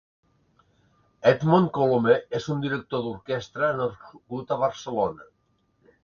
Edmon Colomer és un director d'orquestra nascut a Barcelona.